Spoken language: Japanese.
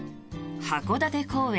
函館公園